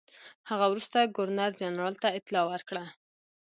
هغه وروسته ګورنرجنرال ته اطلاع ورکړه.